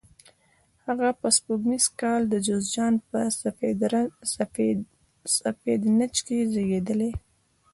هغه په سپوږمیز کال د جوزجان په سفید نج کې زیږېدلی.